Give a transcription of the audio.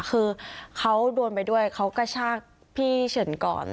คือเขาโดนไปด้วยเขากระชากพี่เฉินก่อน